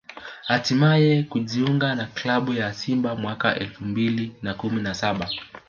hatimaye kujiunga na klabu ya Simba mwaka elfu mbili na kumi na saba